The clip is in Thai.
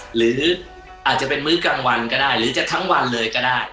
หรืออาจจะเป็นมื้อกลางวันก็ได้หรือจะทั้งวันเลยก็ได้